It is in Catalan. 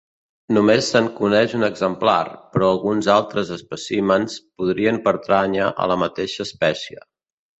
Només se'n coneix un exemplar, però alguns altres espècimens podrien pertànyer a la mateixa espècie.